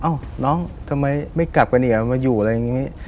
อ้าวน้องทำไมไม่กลับกันอีกแล้วมาอยู่อะไรอย่างนี้